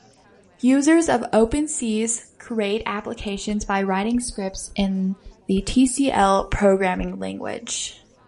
Users of OpenSees create applications by writing scripts in the Tcl programming language.